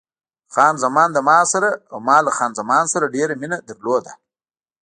خان زمان له ما سره او ما له خان زمان سره ډېره مینه درلوده.